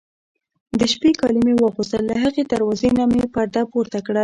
د شپې کالي مې واغوستل، له هغې دروازې نه مې پرده پورته کړل.